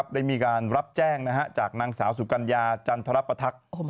ได้มีการรับแจ้งจากนางสาวสุกัญญาจันทรปทักษ์